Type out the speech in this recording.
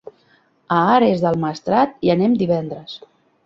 A Ares del Maestrat hi anem divendres.